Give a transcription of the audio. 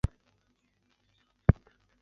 圣伊波利特德卡通。